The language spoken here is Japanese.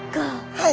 はい。